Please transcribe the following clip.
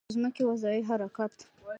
د ځمکې وضعي حرکت